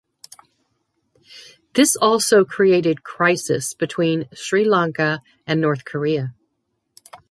This also created crisis between Sri Lanka and North Korea.